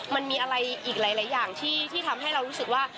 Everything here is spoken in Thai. มันมีอะไรอีกหลายอย่างที่ทำให้เรารู้สึกว่า